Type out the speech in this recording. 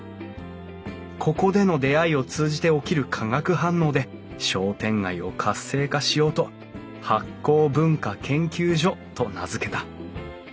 ここでの出会いを通じて起きる化学反応で商店街を活性化しようと醗酵文化研究所と名付けた。